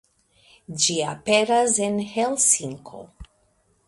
Ĝi aperas en Helsinko.